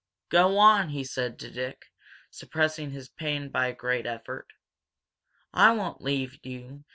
"Go on!" he said to Dick, suppressing his pain by a great effort. "I won't leave you!"